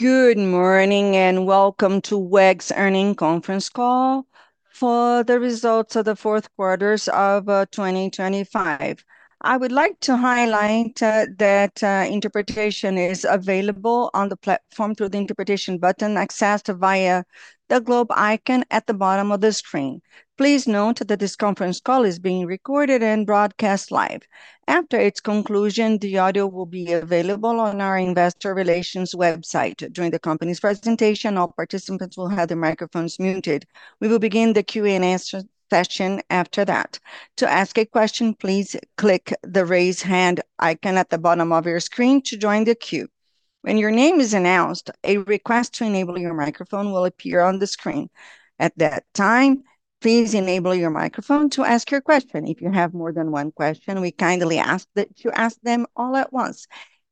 Good morning, welcome to WEG's Earnings Conference Call for the results of the fourth quarters of 2025. I would like to highlight that interpretation is available on the platform through the Interpretation button, accessed via the globe icon at the bottom of the screen. Please note that this conference call is being recorded and broadcast live. After its conclusion, the audio will be available on our Investor Relations website. During the company's presentation, all participants will have their microphones muted. We will begin the Q&A session after that. To ask a question, please click the Raise Hand icon at the bottom of your screen to join the queue. When your name is announced, a request to enable your microphone will appear on the screen. At that time, please enable your microphone to ask your question. If you have more than one question, we kindly ask that you ask them all at once.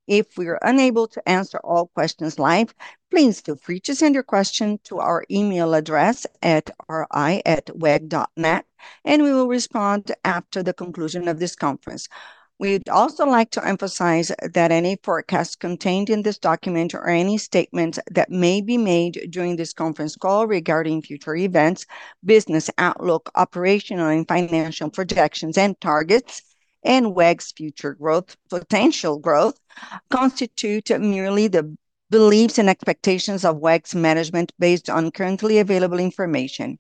If we are unable to answer all questions live, please feel free to send your question to our email address at ri@weg.net, and we will respond after the conclusion of this conference. We'd also like to emphasize that any forecasts contained in this document or any statements that may be made during this conference call regarding future events, business outlook, operational and financial projections and targets, and WEG's future potential growth, constitute merely the beliefs and expectations of WEG's management based on currently available information.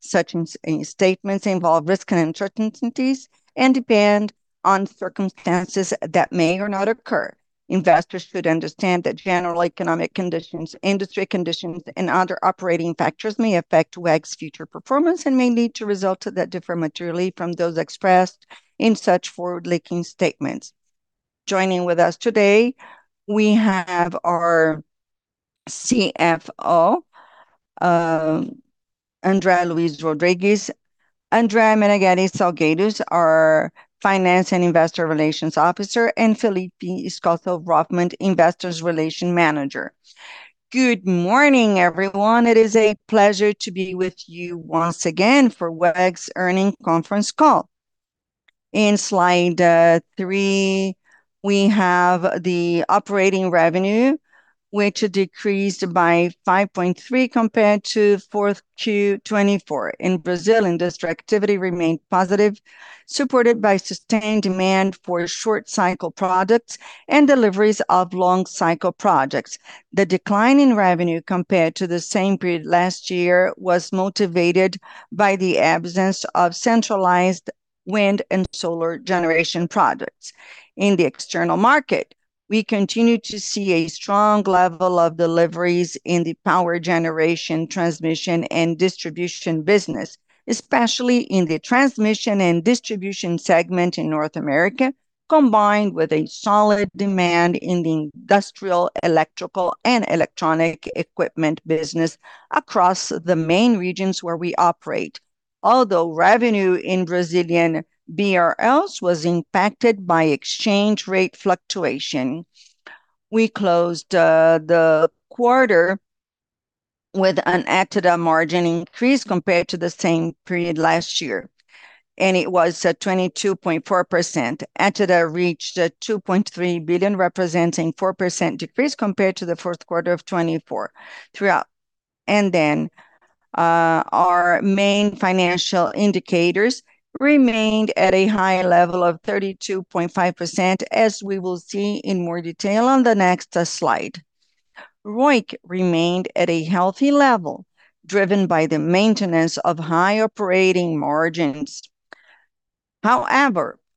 Such statements involve risks and uncertainties, and depend on circumstances that may or not occur. Investors should understand that general economic conditions, industry conditions, and other operating factors may affect WEG's future performance and may lead to results that differ materially from those expressed in such forward-looking statements. Joining with us today, we have our CFO, André Luís Rodrigues, André Menegueti Salgueiro, our Finance and Investor Relations Officer, and Felipe Scopel Hoffmann, Investor Relations Manager. Good morning, everyone. It is a pleasure to be with you once again for WEG's Earnings Conference Call. In Slide 3, we have the operating revenue, which decreased by 5.3% compared to 4Q 2024. In Brazil, industry activity remained positive, supported by sustained demand for short-cycle products and deliveries of long-cycle projects. The decline in revenue compared to the same period last year was motivated by the absence of centralized wind and solar generation products. In the external market, we continue to see a strong level of deliveries in the power generation, transmission, and distribution business, especially in the transmission and distribution segment in North America, combined with a solid demand in the industrial, electrical, and electronic equipment business across the main regions where we operate. Although revenue in Brazilian BRL was impacted by exchange rate fluctuation, we closed the quarter with an EBITDA margin increase compared to the same period last year, and it was at 22.4%. EBITDA reached 2.3 billion, representing 4% decrease compared to the fourth quarter of 2024. Our main financial indicators remained at a high level of 32.5%, as we will see in more detail on the next slide. ROIC remained at a healthy level, driven by the maintenance of high operating margins.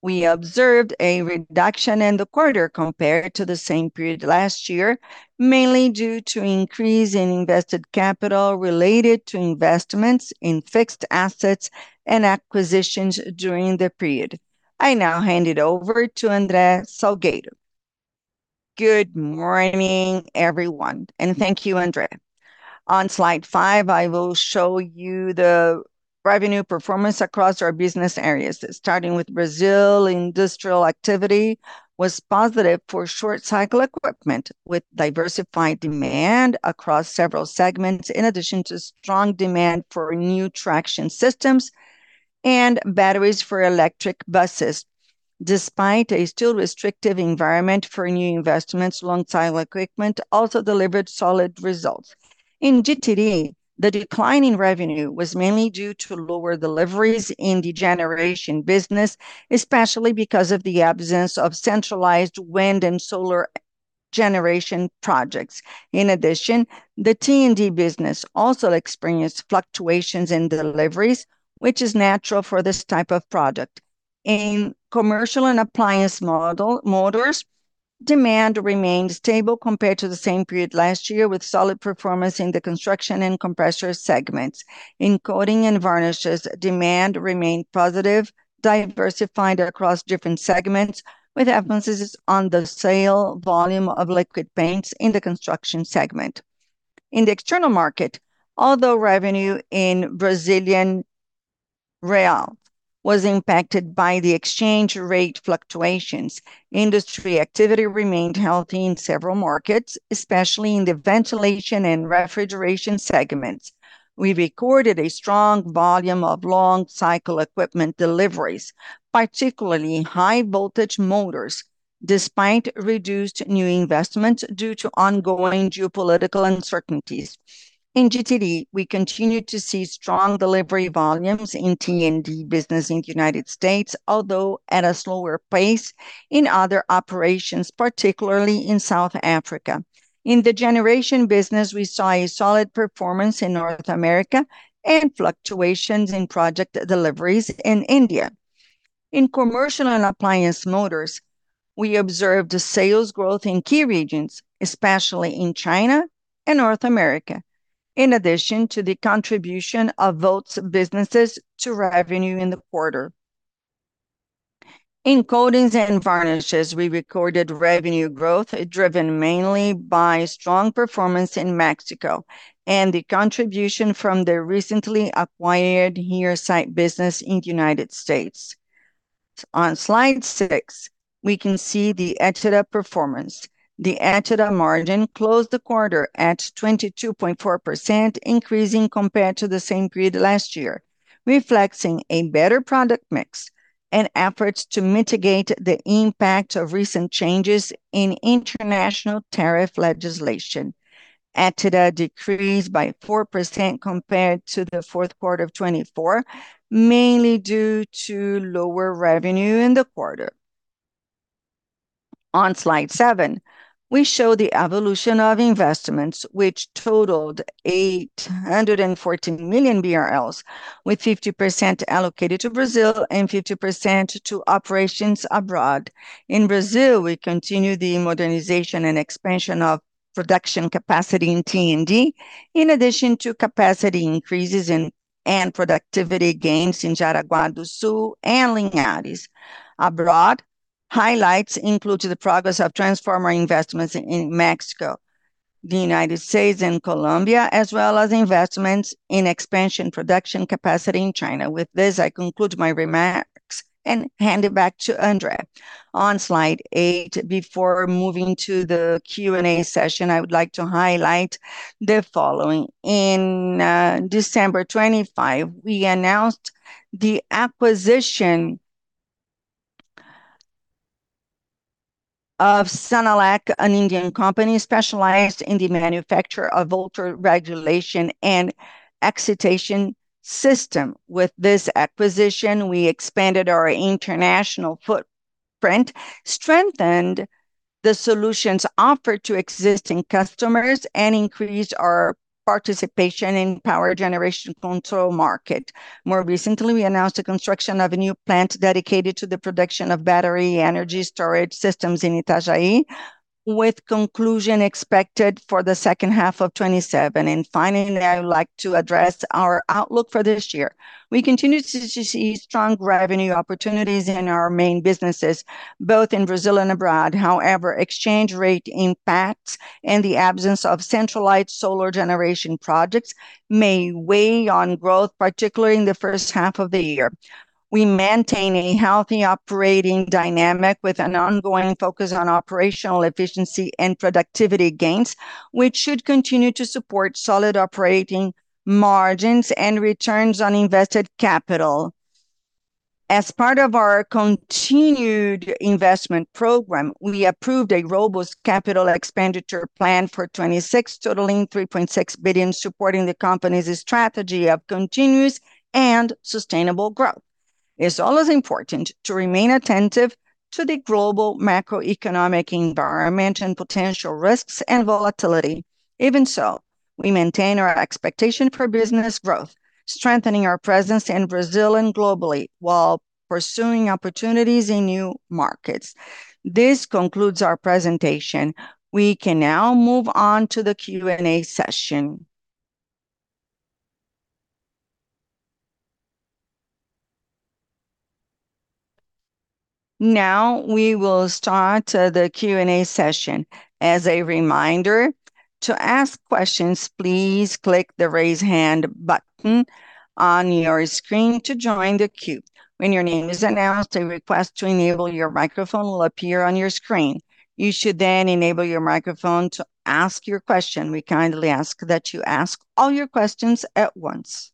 We observed a reduction in the quarter compared to the same period last year, mainly due to increase in invested capital related to investments in fixed assets and acquisitions during the period. I now hand it over to André Salgueiro. Good morning, everyone, and thank you, André. On Slide 5, I will show you the revenue performance across our business areas. Starting with Brazil, industrial activity was positive for short-cycle equipment, with diversified demand across several segments, in addition to strong demand for new traction systems and batteries for electric buses. Despite a still restrictive environment for new investments, long-cycle equipment also delivered solid results. In GTD, the decline in revenue was mainly due to lower deliveries in the generation business, especially because of the absence of centralized wind and solar generation projects. In addition, the T&D business also experienced fluctuations in deliveries, which is natural for this type of project. In commercial and appliance motors, demand remained stable compared to the same period last year, with solid performance in the construction and compressor segments. In coating and varnishes, demand remained positive, diversified across different segments, with emphasis on the sale volume of liquid paints in the construction segment. In the external market, although revenue in Brazilian real was impacted by the exchange rate fluctuations, industry activity remained healthy in several markets, especially in the ventilation and refrigeration segments. We recorded a strong volume of long-cycle equipment deliveries, particularly in high-voltage motors. Despite reduced new investments due to ongoing geopolitical uncertainties. In GTD, we continued to see strong delivery volumes in T&D business in United States, although at a slower pace in other operations, particularly in South Africa. In the generation business, we saw a solid performance in North America and fluctuations in project deliveries in India. In commercial and appliance motors, we observed a sales growth in key regions, especially in China and North America, in addition to the contribution of Volt businesses to revenue in the quarter. In coatings and varnishes, we recorded revenue growth, driven mainly by strong performance in Mexico and the contribution from the recently acquired Heresite business in United States. On Slide 6, we can see the EBITDA performance. The EBITDA margin closed the quarter at 22.4%, increasing compared to the same period last year, reflecting a better product mix and efforts to mitigate the impact of recent changes in international tariff legislation. EBITDA decreased by 4% compared to the fourth quarter of 2024, mainly due to lower revenue in the quarter. On Slide 7, we show the evolution of investments, which totaled 814 million BRL, with 50% allocated to Brazil and 50% to operations abroad. In Brazil, we continued the modernization and expansion of production capacity in T&D, in addition to capacity increases and productivity gains in Jaraguá do Sul and Linhares. Abroad, highlights include the progress of transformer investments in Mexico, the United States, and Colombia, as well as investments in expansion production capacity in China. With this, I conclude my remarks and hand it back to Andre. On Slide 8, before moving to the Q&A session, I would like to highlight the following: In December 25, we announced the acquisition of Sanelec, an Indian company specialized in the manufacture of auto-regulation and excitation system. With this acquisition, we expanded our international footprint, strengthened the solutions offered to existing customers, and increased our participation in power generation control market. More recently, we announced the construction of a new plant dedicated to the production of battery energy storage systems in Itajaí, with conclusion expected for the second half of 2027. Finally, I would like to address our outlook for this year. We continue to see strong revenue opportunities in our main businesses, both in Brazil and abroad. However, exchange rate impacts and the absence of centralized solar generation projects may weigh on growth, particularly in the first half of the year. We maintain a healthy operating dynamic with an ongoing focus on operational efficiency and productivity gains, which should continue to support solid operating margins and returns on invested capital. As part of our continued investment program, we approved a robust capital expenditure plan for 2026, totaling 3.6 billion, supporting the company's strategy of continuous and sustainable growth. It's always important to remain attentive to the global macroeconomic environment and potential risks and volatility. We maintain our expectation for business growth, strengthening our presence in Brazil and globally, while pursuing opportunities in new markets. This concludes our presentation. We can now move on to the Q&A session. We will start the Q&A session. As a reminder, to ask questions, please click the Raise Hand button on your screen to join the queue. When your name is announced, a request to enable your microphone will appear on your screen. You should then enable your microphone to ask your question. We kindly ask that you ask all your questions at once.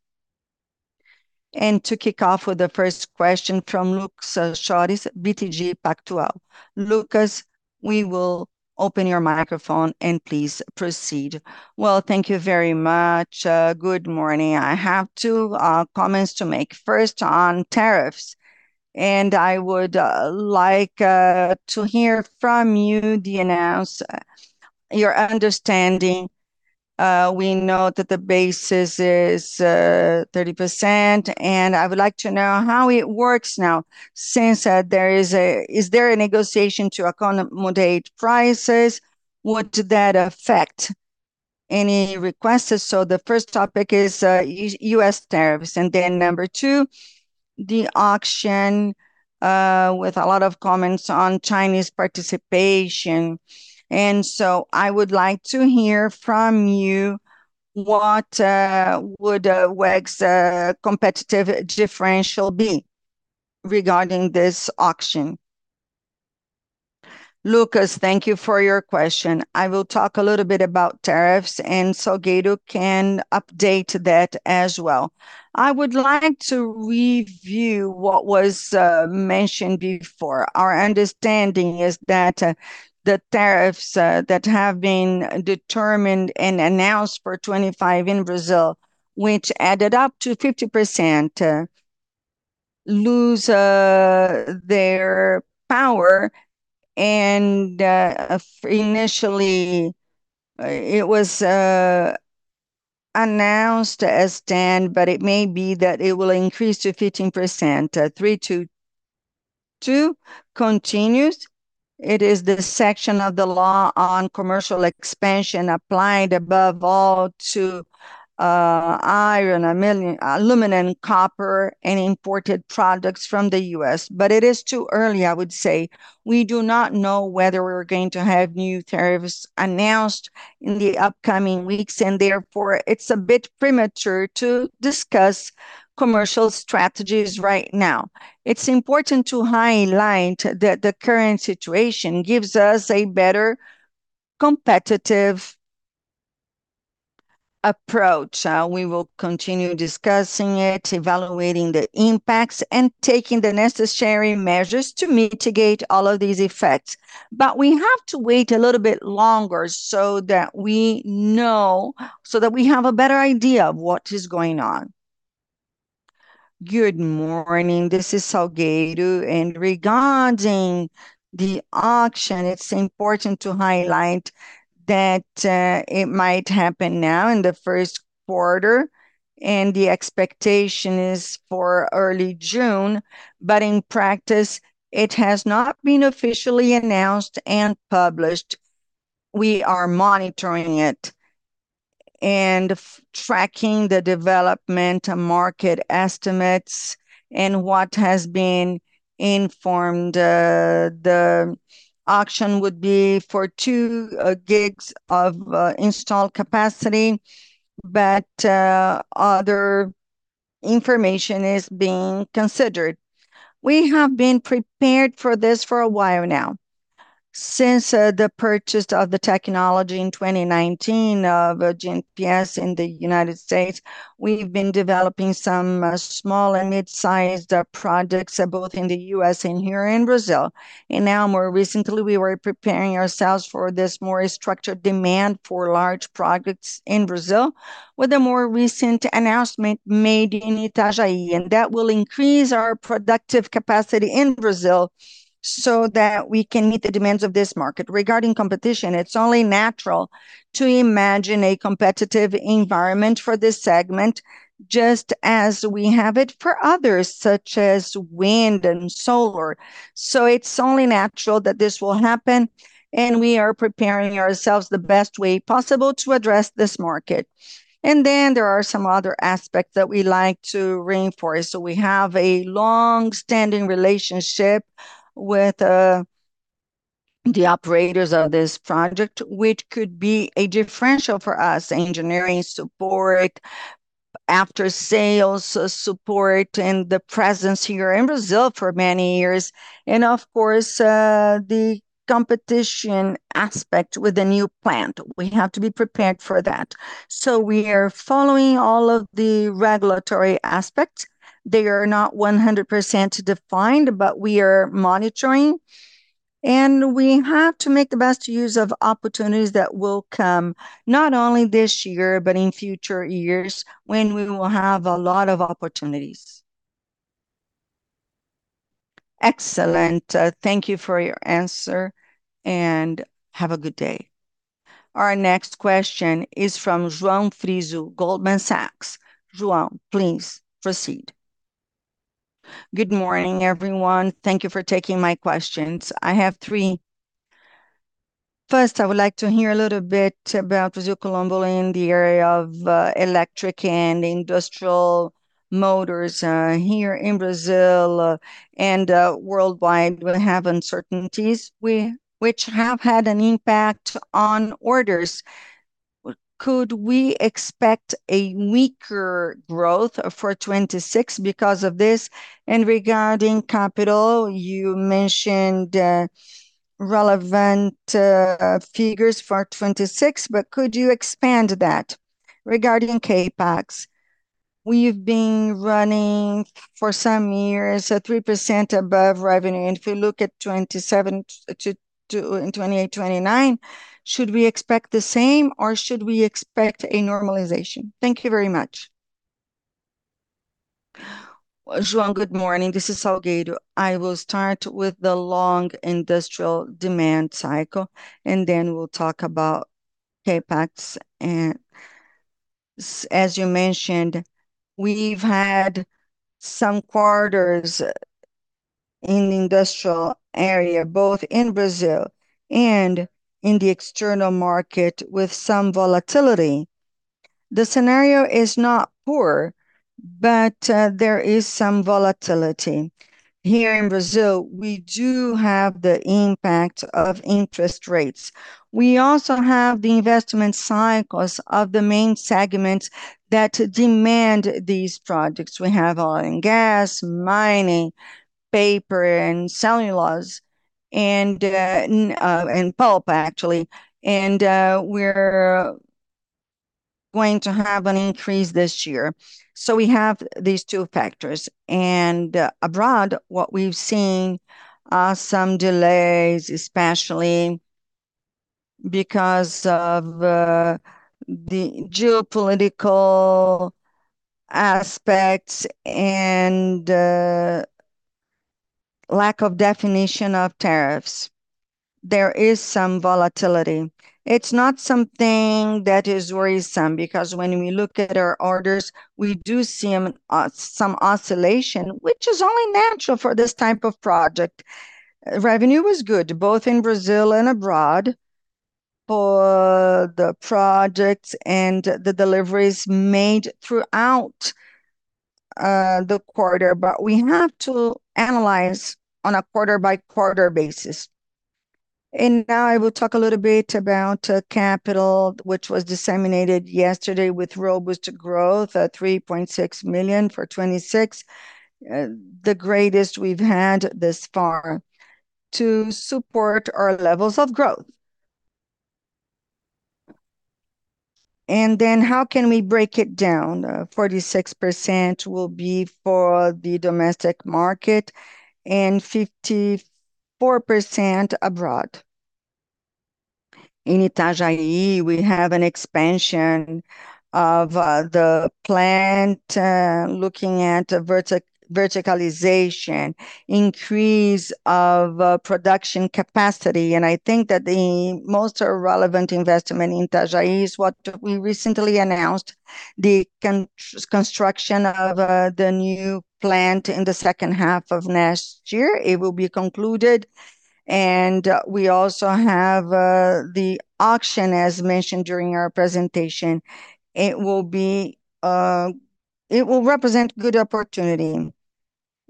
To kick off with the first question from Lucas Marquiori, BTG Pactual. Lucas, we will open your microphone, and please proceed. Well, thank you very much. Good morning. I have two comments to make. First, on tariffs, and I would like to hear from you, André, your understanding. We know that the basis is 30%, and I would like to know how it works now, since there is a negotiation to accommodate prices? Would that affect any requests? The first topic is U.S. tariffs, and then number two, the auction, with a lot of comments on Chinese participation. I would like to hear from you, what would WEG's competitive differential be regarding this auction? Lucas, thank you for your question. I will talk a little bit about tariffs, and Salgueiro can update that as well. I would like to review what was mentioned before. Our understanding is that the tariffs that have been determined and announced for 2025 in Brazil, which added up to 50% lose their power. Initially, it was announced as 10, but it may be that it will increase to 15%, 3 to 2 continues. It is the section of the law on commercial expansion applied above all to iron, aluminum, copper, and imported products from the US. It is too early, I would say. We do not know whether we're going to have new tariffs announced in the upcoming weeks, and therefore, it's a bit premature to discuss commercial strategies right now. It's important to highlight that the current situation gives us a better competitive approach. We will continue discussing it, evaluating the impacts, and taking the necessary measures to mitigate all of these effects. We have to wait a little bit longer so that we know, so that we have a better idea of what is going on. Good morning. This is Salgueiro, and regarding the auction, it's important to highlight that it might happen now in the first quarter, and the expectation is for early June, but in practice, it has not been officially announced and published. We are monitoring it and tracking the development and market estimates and what has been informed. The auction would be for 2 gigs of installed capacity, but other information is being considered. We have been prepared for this for a while now. Since the purchase of the technology in 2019 of GPS in the United States, we've been developing some small and mid-sized projects both in the US and here in Brazil. Now, more recently, we were preparing ourselves for this more structured demand for large projects in Brazil, with a more recent announcement made in Itajaí, and that will increase our productive capacity in Brazil so that we can meet the demands of this market. Regarding competition, it's only natural to imagine a competitive environment for this segment, just as we have it for others, such as wind and solar. It's only natural that this will happen, and we are preparing ourselves the best way possible to address this market. Then there are some other aspects that we like to reinforce. We have a long-standing relationship with the operators of this project, which could be a differential for us. Engineering support, after-sales support, and the presence here in Brazil for many years, and of course, the competition aspect with the new plant. We have to be prepared for that. We are following all of the regulatory aspects. They are not 100% defined, but we are monitoring, and we have to make the best use of opportunities that will come, not only this year but in future years, when we will have a lot of opportunities. Excellent. Thank you for your answer, and have a good day. Our next question is from João Frizo, Goldman Sachs. João, please proceed. Good morning, everyone. Thank you for taking my questions. I have three. First, I would like to hear a little bit about Brazil, Colombia in the area of electric and industrial motors here in Brazil and worldwide. We have uncertainties which have had an impact on orders. Could we expect a weaker growth for 2026 because of this? Regarding capital, you mentioned relevant figures for 2026, but could you expand that? Regarding CapEx, we've been running for some years, 3% above revenue, and if you look at 2027 and 2028, 2029, should we expect the same, or should we expect a normalization? Thank you very much. João, Good morning. This is Salgueiro. I will start with the long industrial demand cycle, then we'll talk about CapEx. As you mentioned, we've had some quarters in the industrial area, both in Brazil and in the external market, with some volatility. There is some volatility. Here in Brazil, we do have the impact of interest rates. We also have the investment cycles of the main segments that demand these projects. We have oil and gas, mining, paper, and cellulose, and pulp, actually. We're going to have an increase this year. We have these two factors, and abroad, what we've seen are some delays, especially because of the geopolitical aspects and lack of definition of tariffs. There is some volatility. It's not something that is worrisome, because when we look at our orders, we do see them some oscillation, which is only natural for this type of project. Revenue was good, both in Brazil and abroad, for the projects and the deliveries made throughout the quarter. We have to analyze on a quarter-by-quarter basis. Now I will talk a little bit about capital, which was disseminated yesterday with robust growth, 3.6 million for 2026, the greatest we've had this far, to support our levels of growth. How can we break it down? 46% will be for the domestic market and 54% abroad. In Itajaí, we have an expansion of the plant, looking at verticalization, increase of production capacity, and I think that the most relevant investment in Itajaí is what we recently announced, the construction of the new plant in the second half of next year. It will be concluded, and we also have the auction, as mentioned during our presentation. It will represent good opportunity.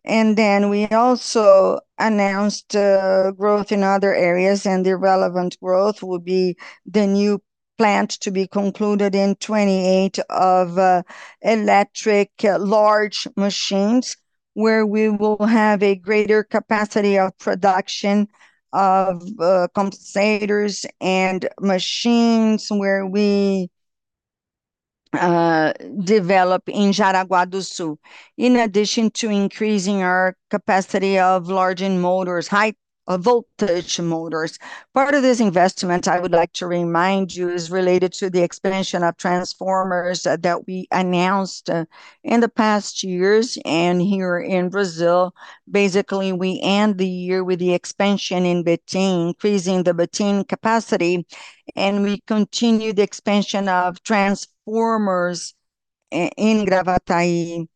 We also announced growth in other areas, and the relevant growth will be the new plant to be concluded in 2028 of electric large machines, where we will have a greater capacity of production of compensators and machines, where we develop in Jaraguá do Sul, in addition to increasing our capacity of large end motors, high voltage motors. Part of this investment, I would like to remind you, is related to the expansion of transformers that we announced in the past years. Here in Brazil, basically, we end the year with the expansion in Betim, increasing the Betim capacity, and we continue the expansion of transformers in Gravataí,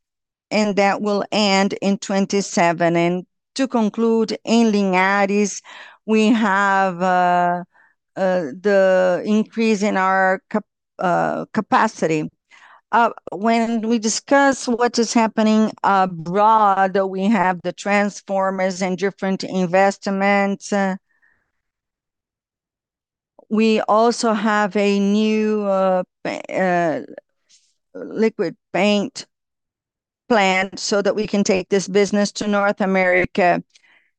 and that will end in 2027. To conclude, in Linhares, we have the increase in our capacity. When we discuss what is happening abroad, we have the transformers and different investments. We also have a new liquid paint plant so that we can take this business to North America,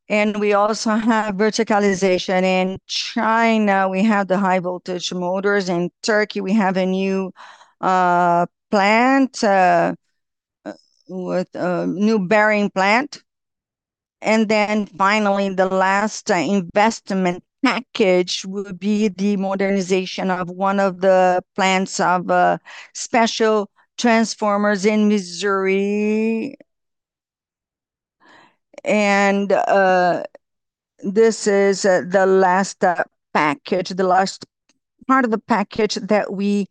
and we also have verticalization. In China, we have the high-voltage motors. In Turkey, we have a new plant with new bearing plant. Finally, the last investment package will be the modernization of one of the plants of special transformers in Missouri, and this is the last package, the last part of the package that we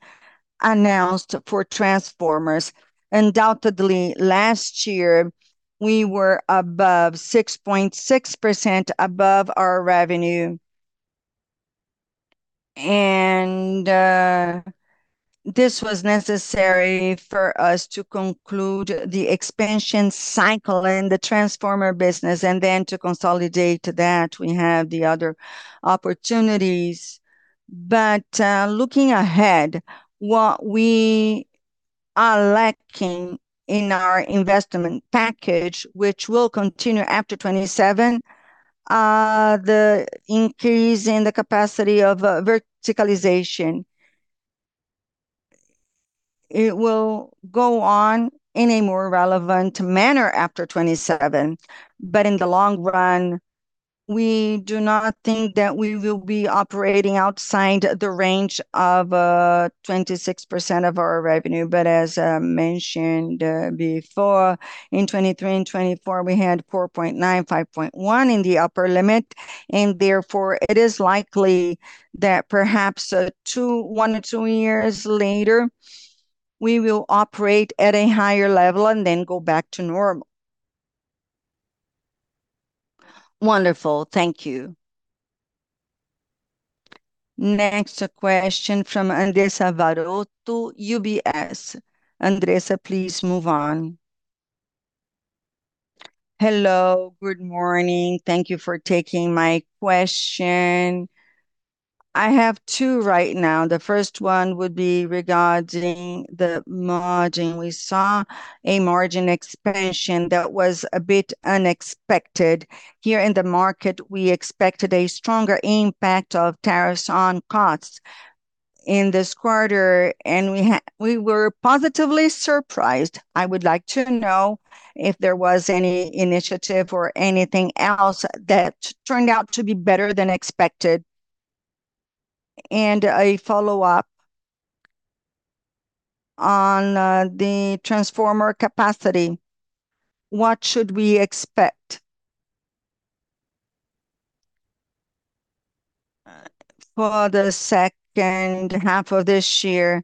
announced for transformers. Undoubtedly, last year we were 6.6% above our revenue, and this was necessary for us to conclude the expansion cycle in the transformer business, and then to consolidate that, we have the other opportunities. Looking ahead, what we are lacking in our investment package, which will continue after 2027, the increase in the capacity of verticalization. It will go on in a more relevant manner after 2027, but in the long run, we do not think that we will be operating outside the range of 26% of our revenue. As mentioned before, in 2023 and 2024, we had 4.9%, 5.1% in the upper limit, and therefore, it is likely that perhaps two, one or two years later, we will operate at a higher level and then go back to normal. Wonderful. Thank you. Next, a question from Andressa Varotto, UBS. Andressa, please move on. Hello, Good morning. Thank you for taking my question. I have two right now. The first one would be regarding the margin. We saw a margin expansion that was a bit unexpected. Here in the market, we expected a stronger impact of tariffs on costs in this quarter, and we were positively surprised. I would like to know if there was any initiative or anything else that turned out to be better than expected? A follow-up on the transformer capacity, what should we expect for the second half of this year?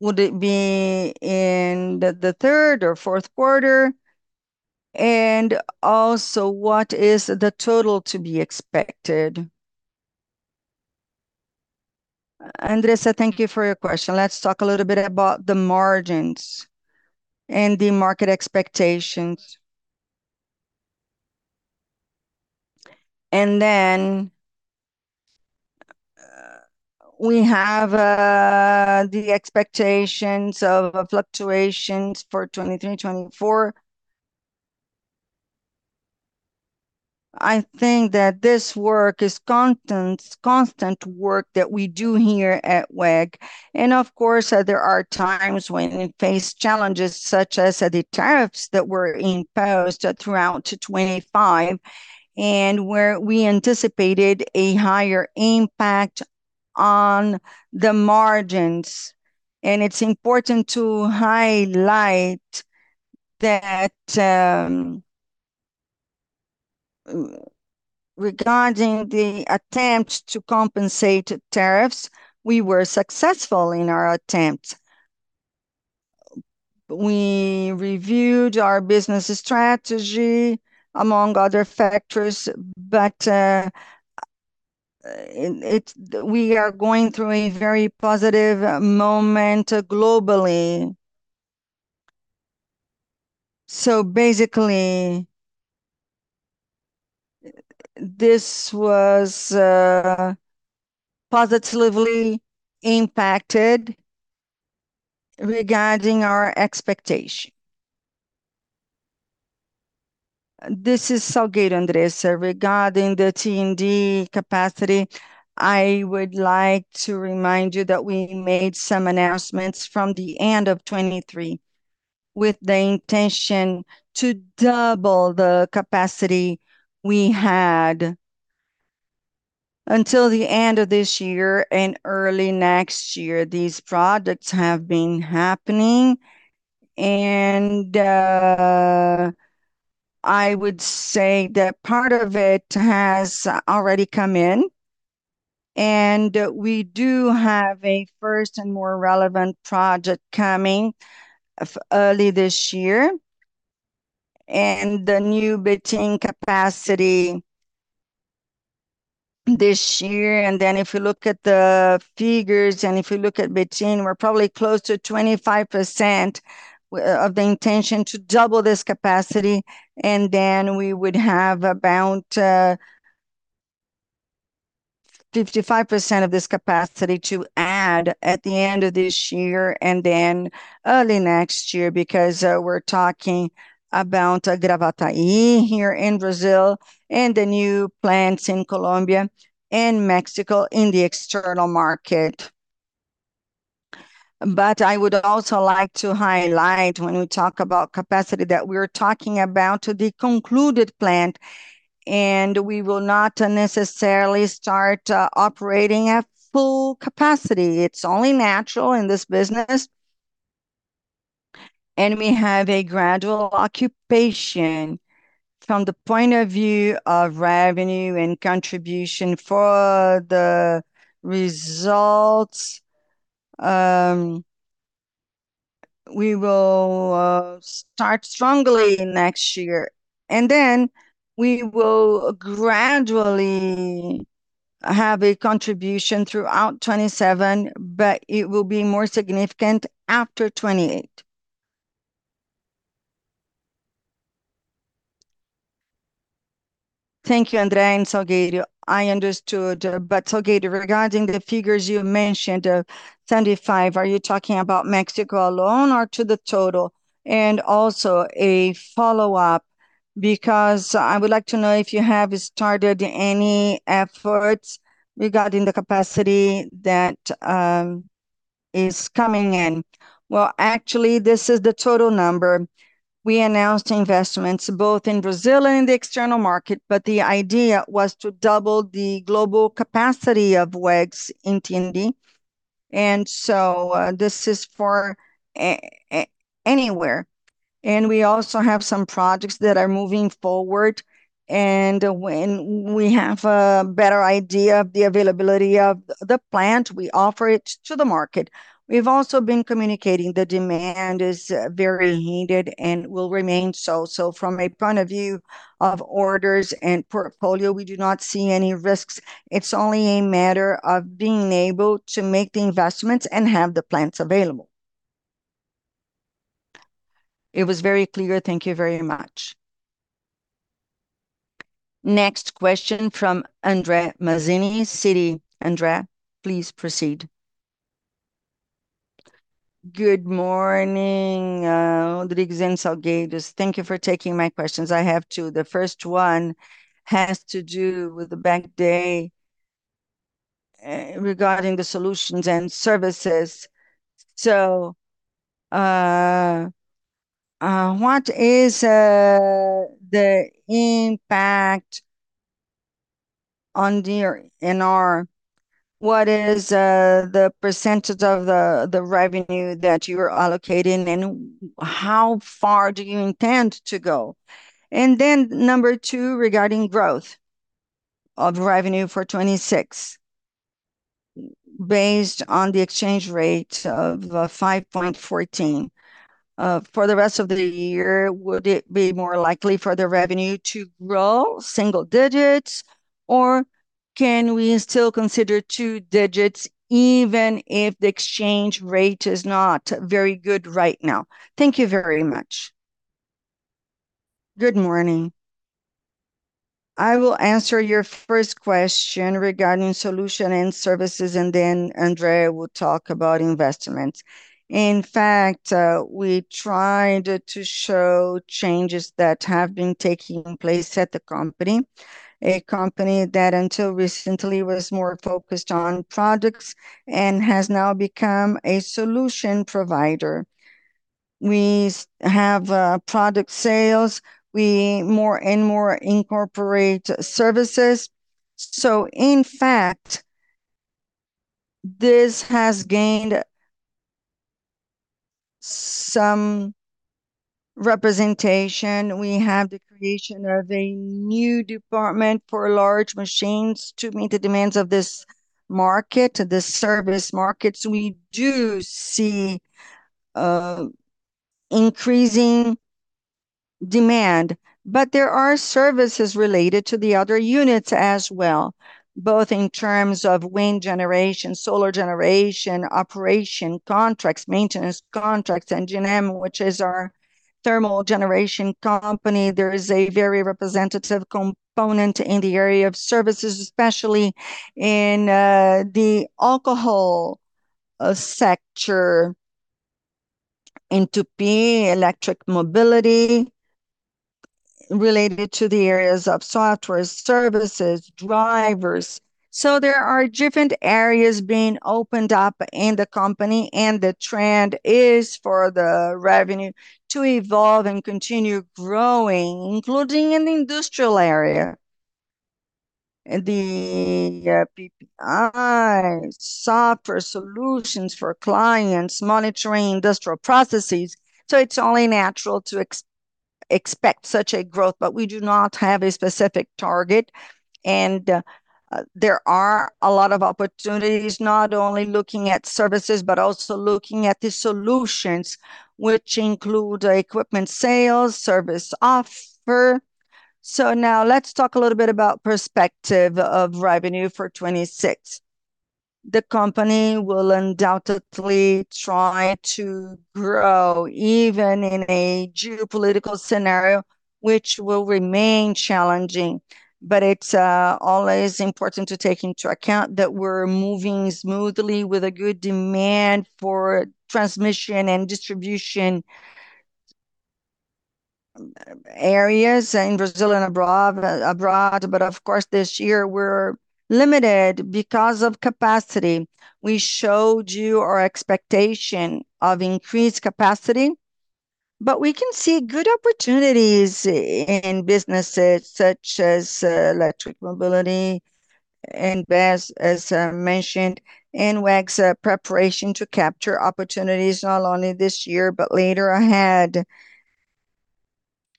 Would it be in the third or fourth quarter? Also, what is the total to be expected? Andressa, thank you for your question. Let's talk a little bit about the margins and the market expectations. We have the expectations of fluctuations for 2023, 2024. I think that this work is constant work that we do here at WEG. Of course, there are times when we face challenges, such as the tariffs that were imposed throughout to 2025, and where we anticipated a higher impact on the margins. It's important to highlight that, regarding the attempt to compensate tariffs, we were successful in our attempt. We reviewed our business strategy, among other factors, but we are going through a very positive moment globally. Basically, this was positively impacted regarding our expectation. This is Salgueiro, André. Regarding the T&D capacity, I would like to remind you that we made some announcements from the end of 2023, with the intention to double the capacity we had until the end of this year and early next year. These projects have been happening, and I would say that part of it has already come in, and we do have a first and more relevant project coming of early this year. The new Betim capacity this year, and then if you look at the figures, and if you look at Betim, we're probably close to 25% of the intention to double this capacity, and then we would have about 55% of this capacity to add at the end of this year, and then early next year, because we're talking about Gravataí, here in Brazil, and the new plants in Colombia and Mexico in the external market. I would also like to highlight, when we talk about capacity, that we're talking about the concluded plant, and we will not necessarily start operating at full capacity. It's only natural in this business. We have a gradual occupation from the point of view of revenue and contribution for the results. We will start strongly next year, we will gradually have a contribution throughout 2027, but it will be more significant after 2028. Thank you, Andre and Salgueiro. I understood. Salgueiro, regarding the figures you mentioned, 75, are you talking about Mexico alone or to the total? A follow-up, because I would like to know if you have started any efforts regarding the capacity that is coming in. Well, actually, this is the total number. We announced investments both in Brazil and the external market, the idea was to double the global capacity of WEG's in T&D, this is for anywhere. We have some projects that are moving forward, when we have a better idea of the availability of the plant, we offer it to the market. We've also been communicating the demand is very needed and will remain so. From a point of view of orders and portfolio, we do not see any risks. It's only a matter of being able to make the investments and have the plants available. It was very clear. Thank you very much. Next question from Andre Mazini, Citi. Andre, please proceed. Good morning, Rodrigues and Salgueiro. Thank you for taking my questions. I have two. The first one has to do with the bank day regarding the solutions and services. What is the impact on the NR? What is the percentage of the revenue that you are allocating, and how far do you intend to go? Number two, regarding growth of revenue for 2026. Based on the exchange rate of 5.14 for the rest of the year, would it be more likely for the revenue to grow single digits, or can we still consider two digits even if the exchange rate is not very good right now? Thank you very much. Good morning. I will answer your first question regarding solution and services, and then Andre will talk about investments. In fact, we tried to show changes that have been taking place at the company. A company that, until recently, was more focused on products and has now become a solution provider. We have product sales. We more and more incorporate services. In fact, this has gained some representation. We have the creation of a new department for large machines to meet the demands of this market, the service markets. We do see increasing demand, but there are services related to the other units as well, both in terms of wind generation, solar generation, operation contracts, maintenance contracts, WEG-NEM, which is our thermal generation company. There is a very representative component in the area of services, especially in the alcohol sector, in TGM, electric mobility related to the areas of software services, drivers. There are different areas being opened up in the company, and the trend is for the revenue to evolve and continue growing, including in the industrial area. The PPI, software solutions for clients monitoring industrial processes, it's only natural to expect such a growth, but we do not have a specific target. There are a lot of opportunities, not only looking at services, but also looking at the solutions, which include equipment sales, service offer. Now let's talk a little bit about perspective of revenue for 26. The company will undoubtedly try to grow, even in a geopolitical scenario, which will remain challenging. It's always important to take into account that we're moving smoothly with a good demand for transmission and distribution areas in Brazil and abroad. Of course, this year we're limited because of capacity. We showed you our expectation of increased capacity, but we can see good opportunities in businesses such as electric mobility and BESS, as mentioned, and WEG's preparation to capture opportunities not only this year, but later ahead.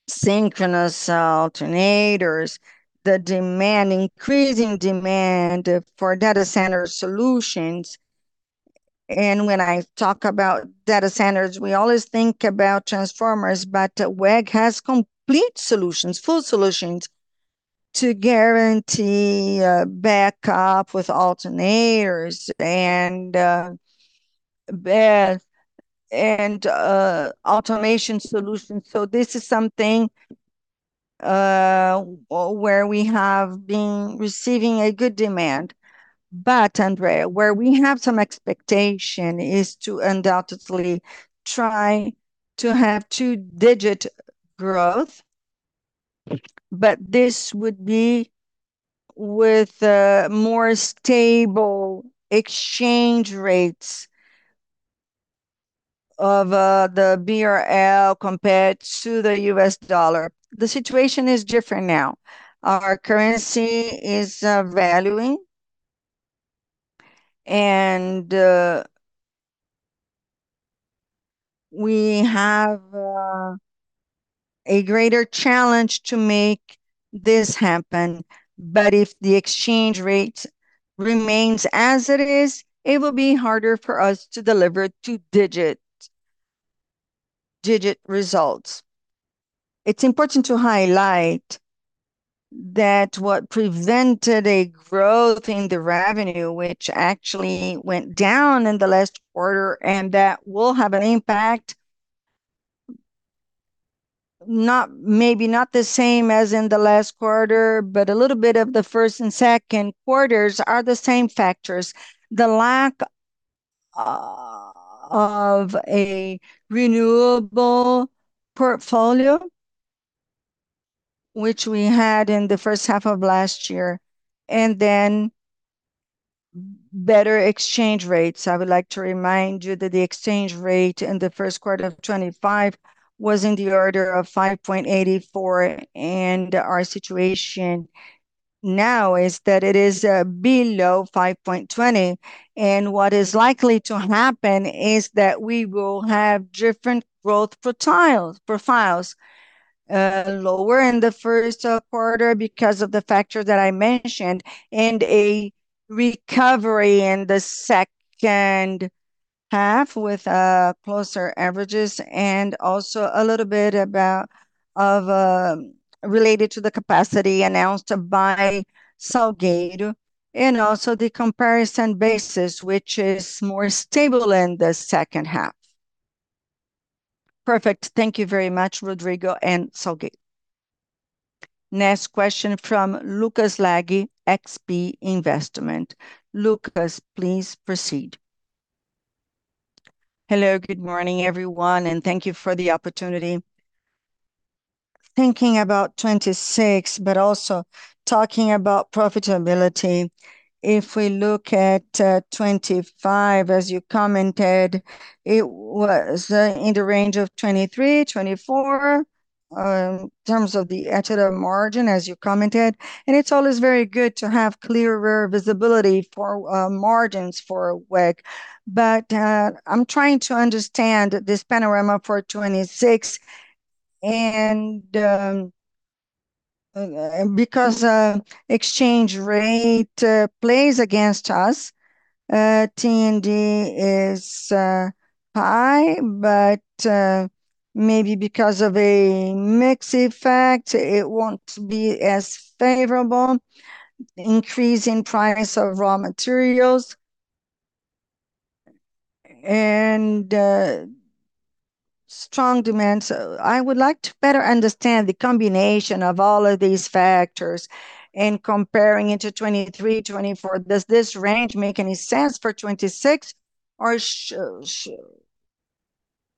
Synchronous alternators, increasing demand for data center solutions. When I talk about data centers, we always think about transformers, but WEG has complete solutions, full solutions to guarantee backup with alternators and BESS, and automation solutions. This is something where we have been receiving a good demand. Andre, where we have some expectation is to undoubtedly try to have 2-digit growth, but this would be with more stable exchange rates of the BRL compared to the US dollar. The situation is different now. Our currency is valuing, and we have a greater challenge to make this happen. If the exchange rate remains as it is, it will be harder for us to deliver two-digit results. It's important to highlight that what prevented a growth in the revenue, which actually went down in the last quarter, and that will have not, maybe not the same as in the last quarter, but a little bit of the first and second quarters are the same factors. The lack of a renewable portfolio, which we had in the 1st half of last year, then better exchange rates. I would like to remind you that the exchange rate in the 1st quarter of 2025 was in the order of 5.84, our situation now is that it is below 5.20. What is likely to happen is that we will have different growth profiles, lower in the 1st quarter because of the factors that I mentioned, a recovery in the 2nd half with closer averages, and also a little bit about of related to the capacity announced by Salgueiro. Also the comparison basis, which is more stable in the 2nd half. Perfect. Thank you very much, Rodrigues and Salgueiro. Next question from Lucas Laghi, XP Investimentos. Lucas, please proceed. Hello, Good morning, everyone. Thank you for the opportunity. Thinking about 2026. Also talking about profitability, if we look at 2025, as you commented, it was in the range of 23%-24% in terms of the EBITDA margin, as you commented. It's always very good to have clearer visibility for margins for WEG. I'm trying to understand this panorama for 2026. Because exchange rate plays against us, T&D is high, but maybe because of a mix effect, it won't be as favorable, increase in price of raw materials. Strong demand. I would like to better understand the combination of all of these factors and comparing it to 2023, 2024. Does this range make any sense for 2026,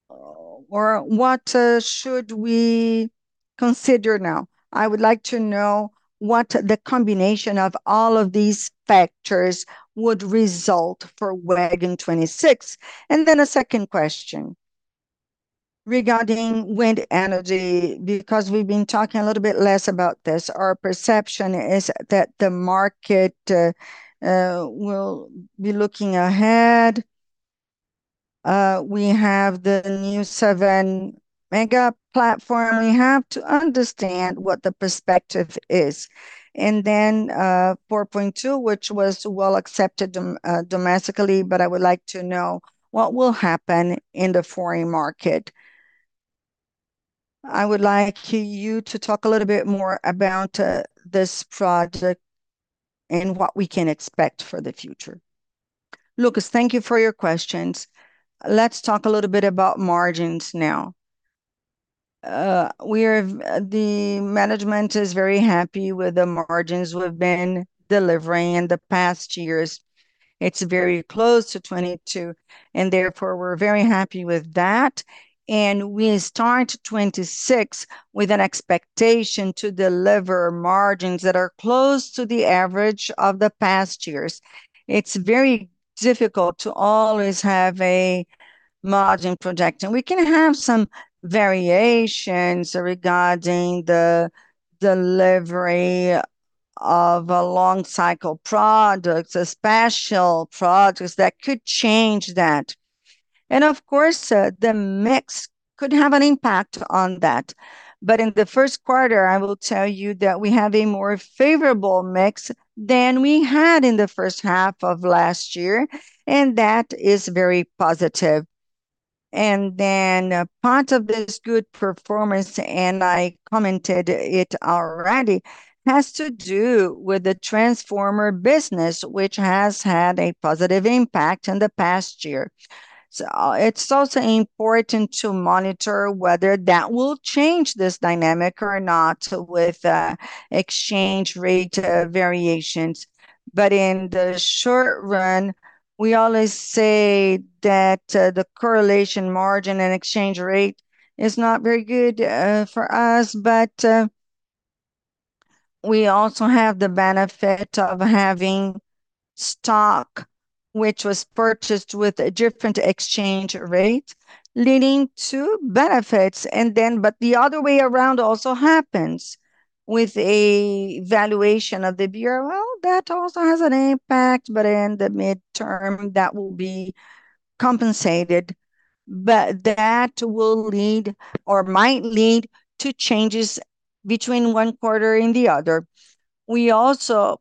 or what should we consider now? I would like to know what the combination of all of these factors would result for WEG in 2026. A second question regarding wind energy, because we've been talking a little bit less about this. Our perception is that the market will be looking ahead. We have the new 7 MW platform. We have to understand what the perspective is. 4.2 MW, which was well accepted domestically, but I would like to know what will happen in the foreign market. I would like you to talk a little bit more about this project and what we can expect for the future. Lucas, thank you for your questions. Let's talk a little bit about margins now. The management is very happy with the margins we've been delivering in the past years. It's very close to 22, and therefore, we're very happy with that, and we start 2026 with an expectation to deliver margins that are close to the average of the past years. It's very difficult to always have a margin projection. We can have some variations regarding the delivery of a long-cycle products, or special products that could change that. Of course, the mix could have an impact on that. In the first quarter, I will tell you that we have a more favorable mix than we had in the first half of last year, and that is very positive. Part of this good performance, and I commented it already, has to do with the transformer business, which has had a positive impact in the past year. It's also important to monitor whether that will change this dynamic or not with exchange rate variations. In the short run, we always say that the correlation margin and exchange rate is not very good for us. We also have the benefit of having stock, which was purchased with a different exchange rate, leading to benefits. The other way around also happens with a valuation of the BRL. That also has an impact, but in the mid-term, that will be compensated. That will lead or might lead to changes between one quarter and the other. We also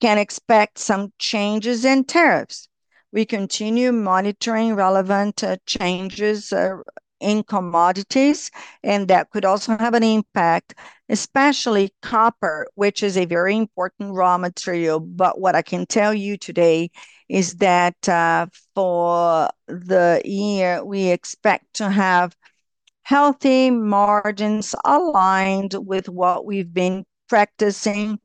can expect some changes in tariffs. We continue monitoring relevant changes in commodities, and that could also have an impact, especially copper, which is a very important raw material. What I can tell you today is that, for the year, we expect to have healthy margins aligned with what we've been practicing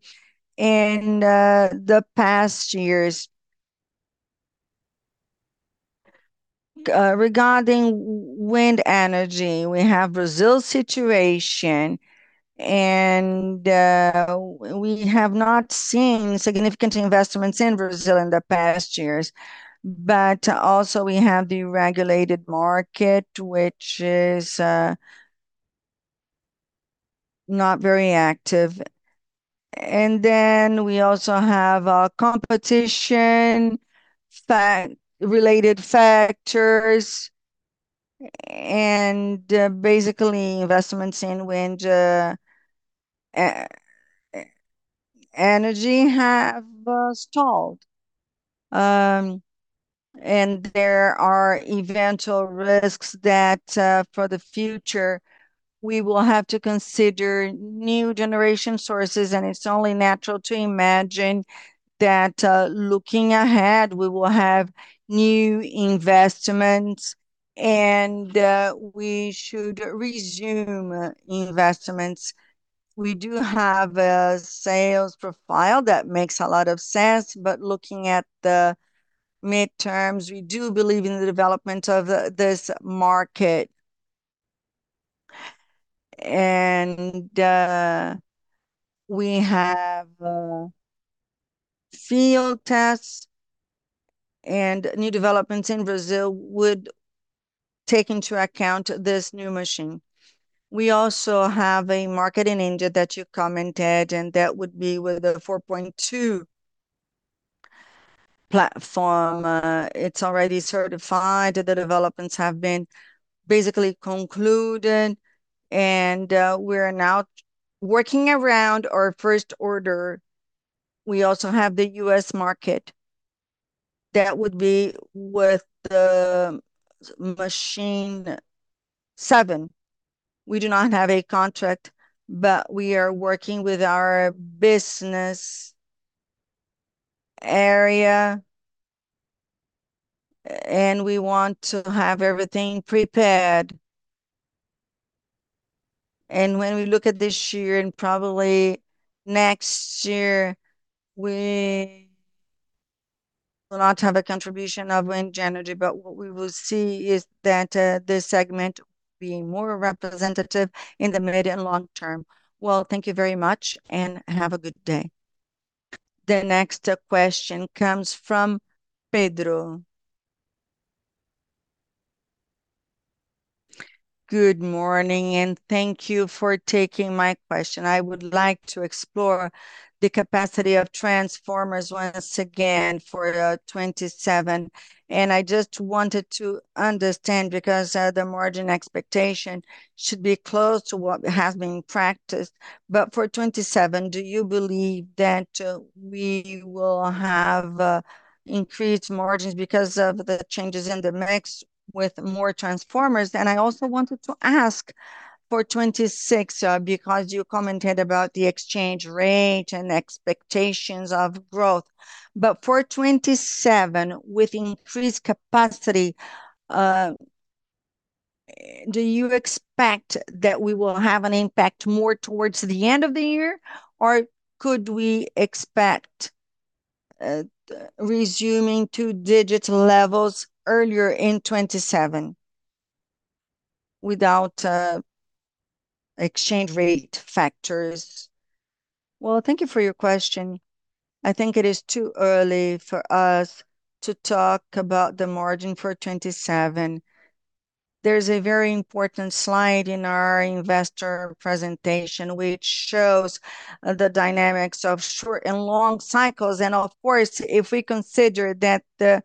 in the past years. Regarding wind energy, we have Brazil's situation, and we have not seen significant investments in Brazil in the past years. Also we have the regulated market, which is not very active. Then we also have competition-related factors, and basically, investments in wind energy have stalled. There are eventual risks that, for the future, we will have to consider new generation sources, and it's only natural to imagine that, looking ahead, we will have new investments, and we should resume investments. We do have a sales profile that makes a lot of sense, but looking at the midterms, we do believe in the development of this market. We have field tests and new developments in Brazil would take into account this new machine. We also have a market in India that you commented, and that would be with a 4.2 platform. It's already certified, the developments have been basically concluded, and we're now working around our first order. We also have the U.S. market. That would be with the machine 7. We do not have a contract, but we are working with our business area, and we want to have everything prepared. When we look at this year, and probably next year, we will not have a contribution of wind energy, but what we will see is that this segment will be more representative in the mid and long term. Well, thank you very much, have a good day. The next question comes from Pedro. Good morning, thank you for taking my question. I would like to explore the capacity of transformers once again for 2027, I just wanted to understand, because the margin expectation should be close to what has been practiced. For 2027, do you believe that we will have increased margins because of the changes in the mix with more transformers? I also wanted to ask for 2026, because you commented about the exchange rate and expectations of growth. For 2027, with increased capacity, do you expect that we will have an impact more towards the end of the year, or could we expect resuming 2-digit levels earlier in 2027 without exchange rate factors? Thank you for your question. I think it is too early for us to talk about the margin for 2027. There's a very important slide in our investor presentation, which shows the dynamics of short and long cycles. Of course, if we consider that the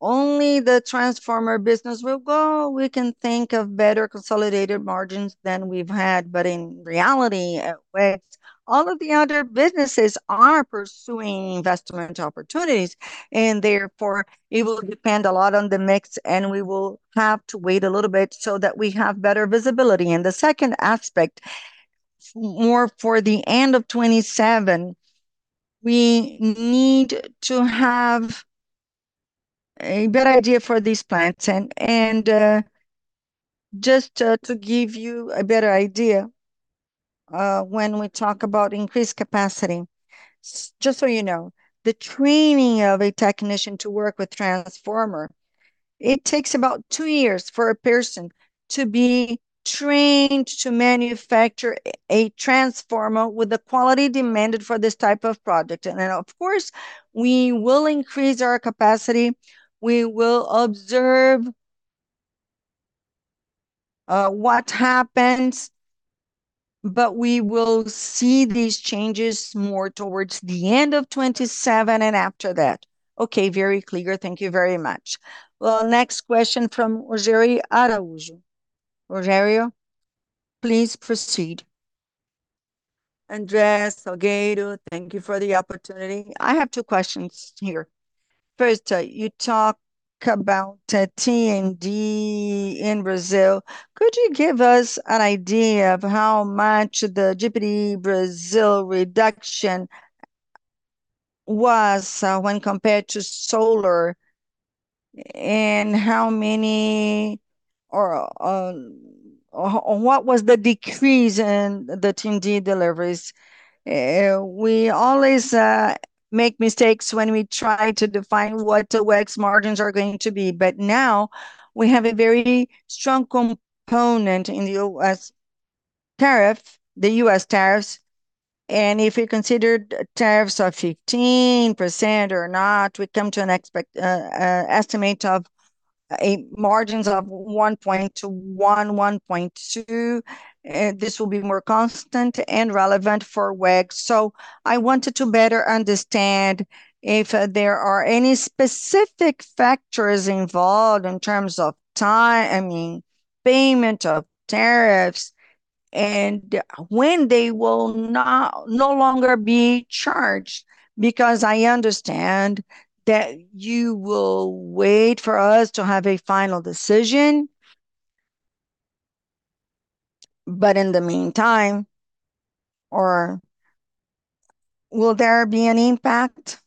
only the transformer business will go, we can think of better consolidated margins than we've had. In reality, with all of the other businesses are pursuing investment opportunities, and therefore, it will depend a lot on the mix, and we will have to wait a little bit so that we have better visibility. The second aspect, more for the end of 2027, we need to have a better idea for these plants. Just to give you a better idea, when we talk about increased capacity, just so you know, the training of a technician to work with transformer, it takes about two years for a person to be trained to manufacture a transformer with the quality demanded for this type of project. Then, of course, we will increase our capacity. We will observe what happens, but we will see these changes more towards the end of 2027 and after that. Okay, very clear. Thank you very much. Next question from Rogério Araújo. Rogério, please proceed. André, Salgueiro, thank you for the opportunity. I have two questions here. First, you talk about T&D in Brazil. Could you give us an idea of how much the GDP Brazil reduction was when compared to solar, and how many or what was the decrease in the T&D deliveries? We always make mistakes when we try to define what the WEG's margins are going to be, but now we have a very strong component in the U.S. tariff, the U.S. tariffs, and if you considered tariffs of 15% or not, we come to an estimate of a margins of 1.1%-1.2%, and this will be more constant and relevant for WEG. I wanted to better understand if there are any specific factors involved in terms of time, I mean, payment of tariffs, and when they will no longer be charged. I understand that you will wait for us to have a final decision, but in the meantime, or will there be an impact?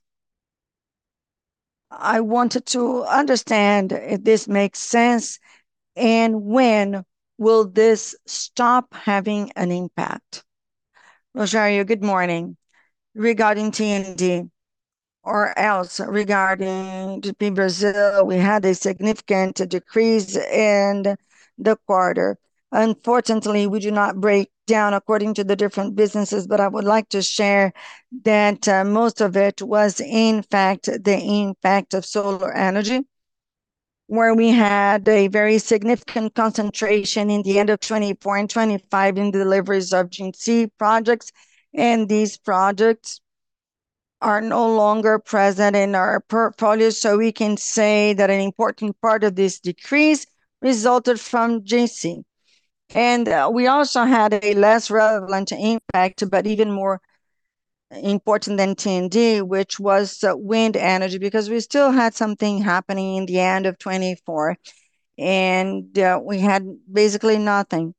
I wanted to understand if this makes sense, when will this stop having an impact? Rogério, Good morning. Regarding T&D or else regarding to Brazil, we had a significant decrease in the quarter. Unfortunately, we do not break down according to the different businesses, but I would like to share that most of it was, in fact, the impact of solar energy, where we had a very significant concentration in the end of 2024 and 2025 in deliveries of T&D projects, and these projects are no longer present in our portfolio. We can say that an important part of this decrease resulted from T&D. We also had a less relevant impact, but even more important than T&D, which was wind energy, because we still had something happening in the end of 2024, we had basically nothing.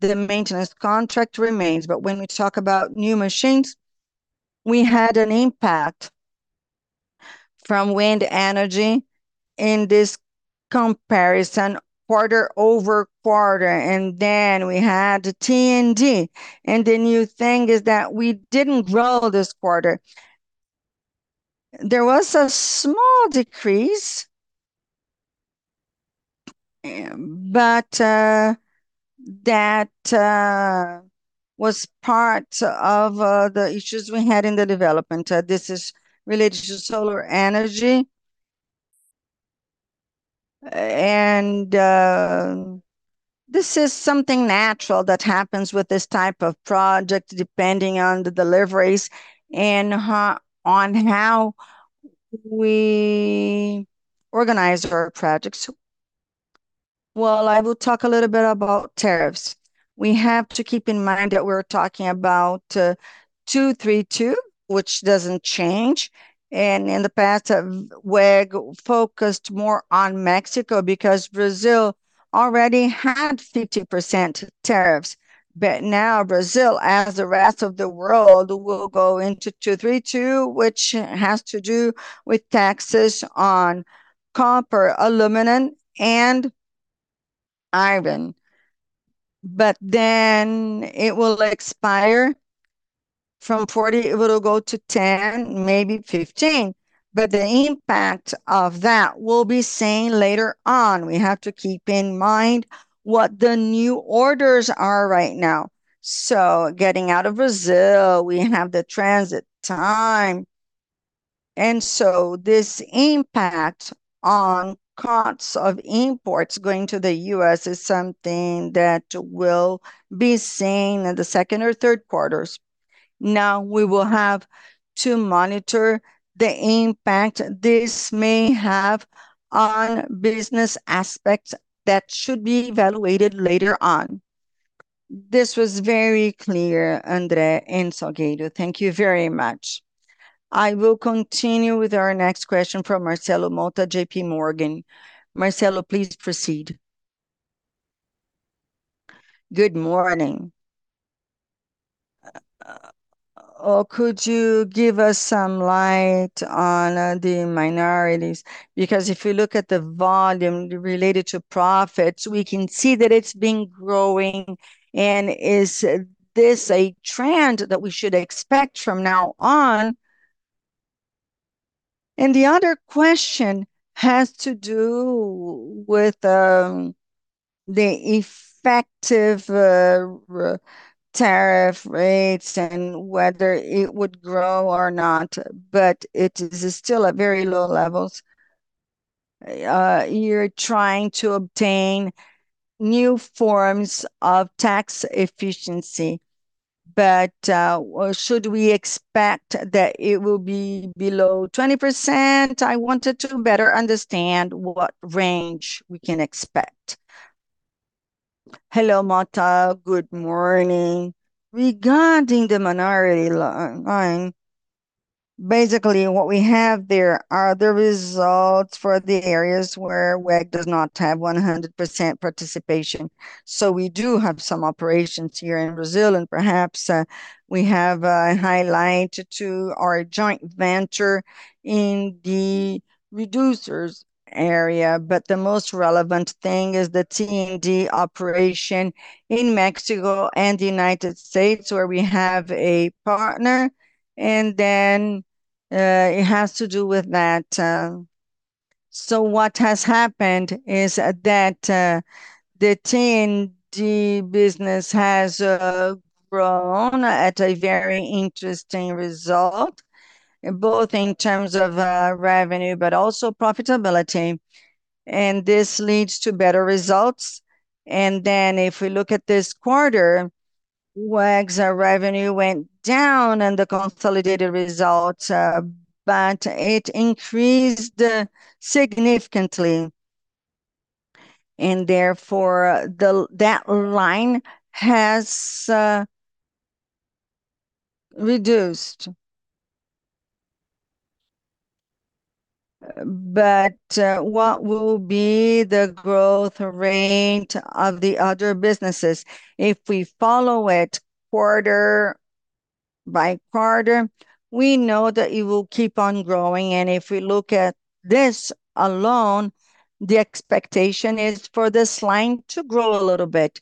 The maintenance contract remains, but when we talk about new machines, we had an impact from wind energy in this comparison, quarter-over-quarter, we had T&D. The new thing is that we didn't grow this quarter. There was a small decrease, but that was part of the issues we had in the development. This is related to solar energy. This is something natural that happens with this type of project, depending on the deliveries and on how we organize our projects. Well, I will talk a little bit about tariffs. We have to keep in mind that we're talking about 232, which doesn't change, and in the past, WEG focused more on Mexico because Brazil already had 50% tariffs. Now Brazil, as the rest of the world, will go into 232, which has to do with taxes on copper, aluminum, and iron. Then it will expire from 40%, it will go to 10%, maybe 15%. The impact of that will be seen later on. We have to keep in mind what the new orders are right now. Getting out of Brazil, we have the transit time. This impact on costs of imports going to the U.S. is something that will be seen in the second or third quarters. We will have to monitor the impact this may have on business aspects that should be evaluated later on. This was very clear, André and Salgueiro. Thank you very much. I will continue with our next question from Marcelo Motta, JP Morgan. Marcelo, please proceed. Good morning. Could you give us some light on the minorities? Because if you look at the volume related to profits, we can see that it's been growing, and is this a trend that we should expect from now on? The other question has to do with the effective tariff rates and whether it would grow or not, but it is still at very low levels. You're trying to obtain new forms of tax efficiency, but should we expect that it will be below 20%? I wanted to better understand what range we can expect. Hello, Marcelo. Good morning. Regarding the minority line, basically what we have there are the results for the areas where WEG does not have 100% participation. We do have some operations here in Brazil, and perhaps, we have highlighted to our joint venture in the reducers area. The most relevant thing is the T&D operation in Mexico and the United States, where we have a partner, and then it has to do with that. What has happened is that the T&D business has grown at a very interesting result, both in terms of revenue, but also profitability, and this leads to better results. If we look at this quarter, WEG's revenue went down and the consolidated results, but it increased significantly, and therefore, that line has reduced. What will be the growth rate of the other businesses? If we follow it quarter by quarter, we know that it will keep on growing, and if we look at this alone, the expectation is for this line to grow a little bit.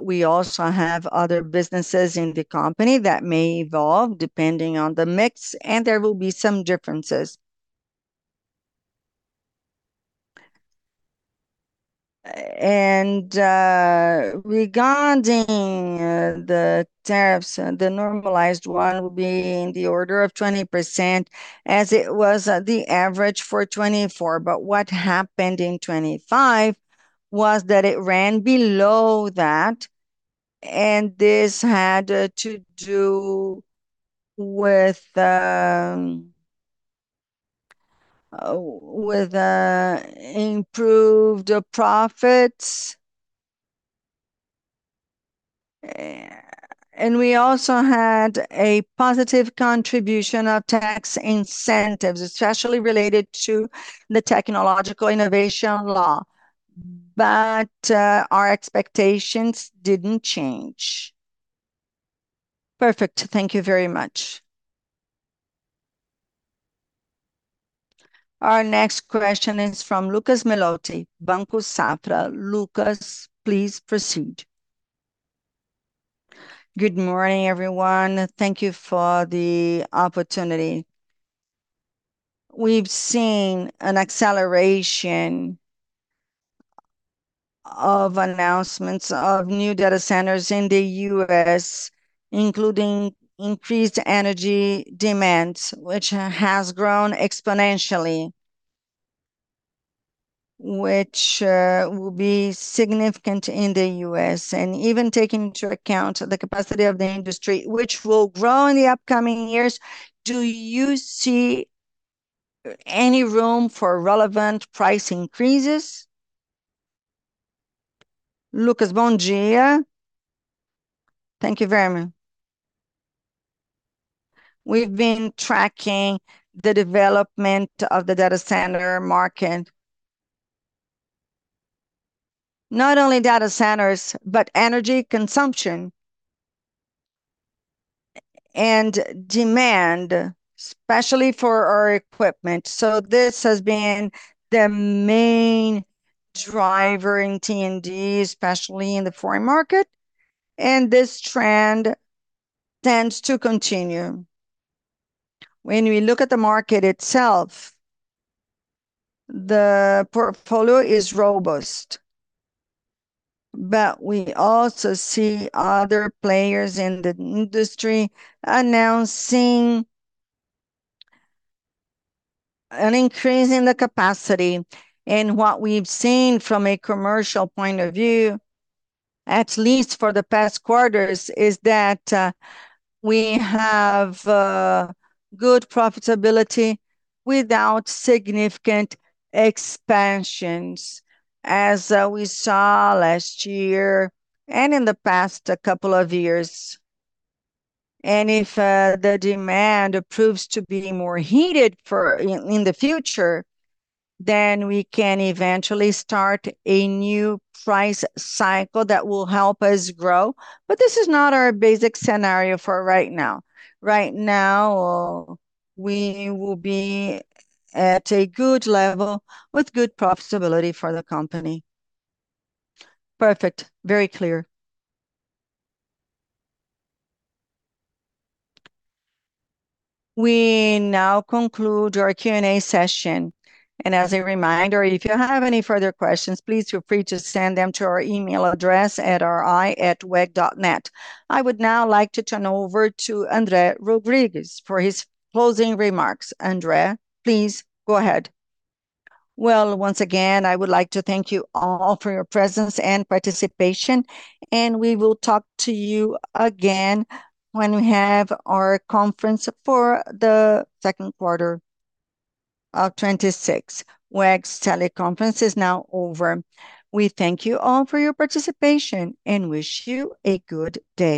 We also have other businesses in the company that may evolve depending on the mix, and there will be some differences. Regarding the tariffs, the normalized one will be in the order of 20%, as it was the average for 2024. What happened in 2025 was that it ran below that, and this had to do with improved profits. We also had a positive contribution of tax incentives, especially related to the technological innovation law, but our expectations didn't change. Perfect. Thank you very much. Our next question is from Lucas Melotti, Banco Safra. Lucas, please proceed. Good morning, everyone, and thank you for the opportunity. We've seen an acceleration of announcements of new data centers in the US, including increased energy demands, which has grown exponentially, which will be significant in the US, and even taking into account the capacity of the industry, which will grow in the upcoming years. Do you see any room for relevant price increases? Lucas, bom dia. Thank you very much. We've been tracking the development of the data center market. Not only data centers, but energy consumption, and demand, especially for our equipment. This has been the main driver in T&D, especially in the foreign market, and this trend tends to continue. When we look at the market itself, the portfolio is robust, but we also see other players in the industry announcing an increase in the capacity. What we've seen from a commercial point of view, at least for the past quarters, is that we have good profitability without significant expansions, as we saw last year and in the past couple of years. If the demand proves to be more heated in the future, then we can eventually start a new price cycle that will help us grow. This is not our basic scenario for right now. Right now, we will be at a good level with good profitability for the company. Perfect. Very clear. We now conclude our Q&A session. As a reminder, if you have any further questions, please feel free to send them to our email address at ri@weg.net. I would now like to turn over to André Rodrigues for his closing remarks. André, please go ahead. Once again, I would like to thank you all for your presence and participation. We will talk to you again when we have our conference for the second quarter of 2026. WEG's teleconference is now over. We thank you all for your participation and wish you a good day.